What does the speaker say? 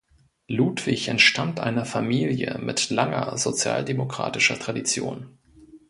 Ludwig entstammt einer Familie mit langer sozialdemokratischer Tradition.